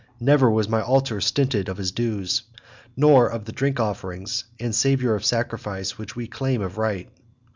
Never was my altar stinted of its dues, nor of the drink offerings and savour of sacrifice which we claim of right.